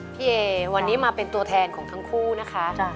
พี่เอวันนี้มาเป็นตัวแทนของทั้งคู่นะคะ